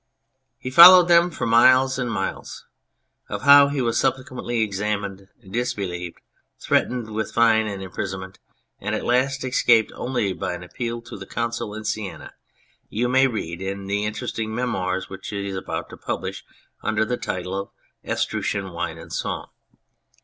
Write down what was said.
He followed them for miles and miles. Of how he was subsequently examined, disbelieved, threatened with fine and imprisonment, and at last escaped only by an appeal to his consul in Sienna, you may read in the interesting memoirs which he is about to publish under the title of " Etruscan Wine and Song."